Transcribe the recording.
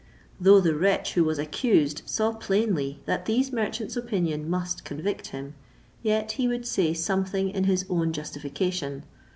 Though the wretch who was accused saw plainly that these merchants' opinion must convict him, yet he would say something in his own justification.